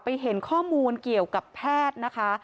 เห็นข้อมูลเกี่ยวกับแพทย์นะคะ